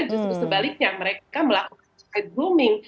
justru sebaliknya mereka melakukan skype grooming